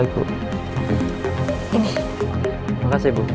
terima kasih bu